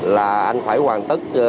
là anh phải hoàn tất